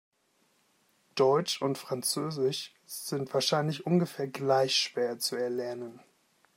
Deutsch und Französisch sind wahrscheinlich ungefähr gleich schwer zu erlernen.